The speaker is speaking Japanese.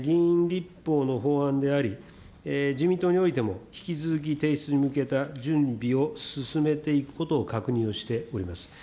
議員立法の法案であり、自民党においても引き続き提出に向けた準備を進めていくことを確認しております。